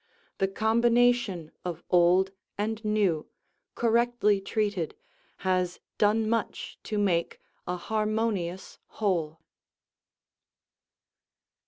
The combination of old and new, correctly treated, has done much to make a harmonious whole.